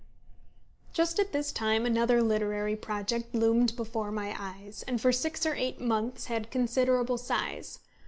Just at this time another literary project loomed before my eyes, and for six or eight months had considerable size.